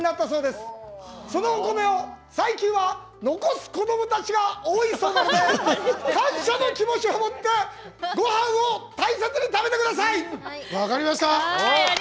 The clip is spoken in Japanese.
そのお米を最近は残す子どもたちが多いそうなので感謝の気持ちをもってごはんを大切に食べてください。